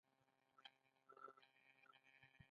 په سړک هم موټر وي هم غوا.